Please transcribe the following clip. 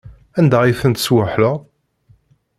Anda ay tent-tesweḥleḍ?